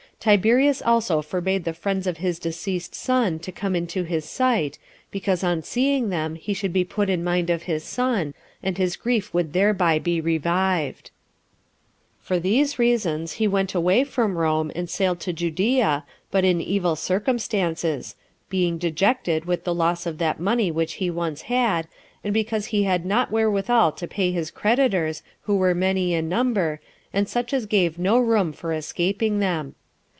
Tiberius also forbade the friends of his deceased son to come into his sight, because on seeing them he should be put in mind of his son, and his grief would thereby be revived. 2. For these reasons he went away from Rome, and sailed to Judea, but in evil circumstances, being dejected with the loss of that money which he once had, and because he had not wherewithal to pay his creditors, who were many in number, and such as gave him no room for escaping them.